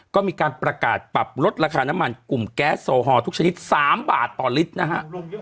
ก็มีการประกาศปรับลดราคาน้ำมันกลุ่มแก๊สโซฮอลทุกชนิด๓บาทต่อลิตรนะฮะ